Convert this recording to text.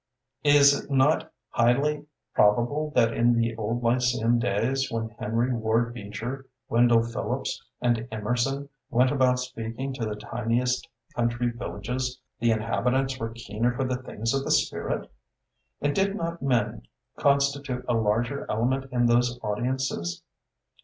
Is it not highly probable that in the old Lyceum days, when Henry Ward Beecher, Wendell Phillips, and Emer son went about speaking to the tiniest country villages, the inhabitants were keener for the things of the spirit? And did not men constitute a larger element in those audiences?